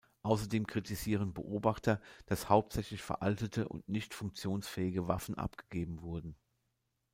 Außerdem kritisieren Beobachter, dass hauptsächlich veraltete und nicht funktionsfähige Waffen abgegeben wurden.